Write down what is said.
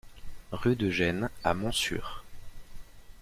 Rue de Gesnes à Montsûrs